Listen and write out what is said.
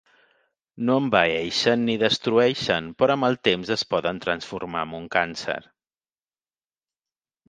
No envaeixen, ni destrueixen, però amb el temps es poden transformar en un càncer.